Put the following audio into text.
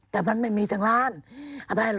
แต่มันไม่มีทางร้าน